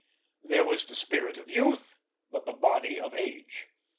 There was the spirit of youth, but the body of age.